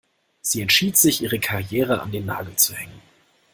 Sie entschied sich, ihre Karriere an den Nagel zu hängen.